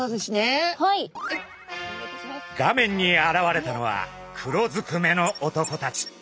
画面に現れたのは黒ずくめの男たち。